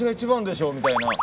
みたいな。